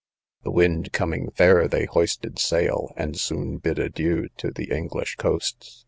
The wind coming fair, they hoisted sail, and soon bid adieu to the English coasts.